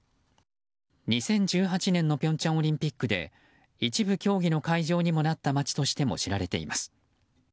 ２０１８年の平昌オリンピックで一部競技の会場にもなった街としても知られています。